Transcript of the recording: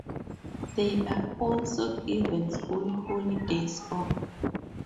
They are also given school holidays off.